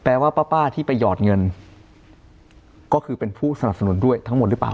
ว่าป้าที่ไปหยอดเงินก็คือเป็นผู้สนับสนุนด้วยทั้งหมดหรือเปล่า